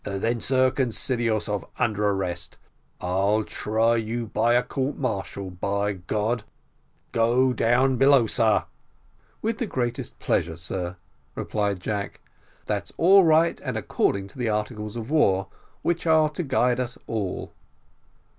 "Then, sir, consider yourself under an arrest I'll try you by a court martial, by God. Go down below, sir." "With the greatest of pleasure, sir," replied Jack, "that's all right, and according to the articles of war, which are to guide us all."